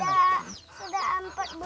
sudah empat bulan lebih